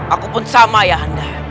aku pun sama ayahanda